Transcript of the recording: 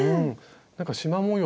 なんかしま模様